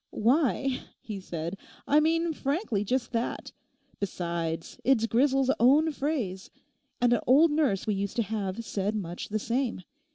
'Why,' he said, 'I mean frankly just that. Besides, it's Grisel's own phrase; and an old nurse we used to have said much the same.